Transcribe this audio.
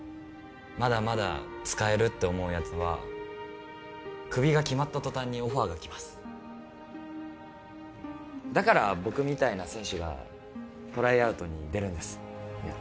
まだまだ使えるって思うやつはクビが決まったとたんにオファーがきますだから僕みたいな選手がトライアウトに出るんですいや